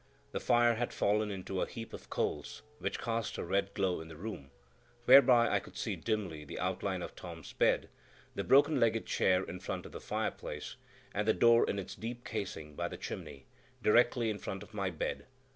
The fire had fallen into a heap of coals which cast a red glow in the room, whereby I could see dimly the outline of Tom's bed, the broken legged chair in front of the fireplace, and the door in its deep casing by the chimney, directly in front of my bed.